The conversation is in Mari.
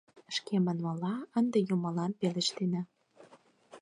— Шке манмыла, ынде юмылан пелештена.